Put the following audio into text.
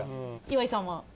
岩井さんは？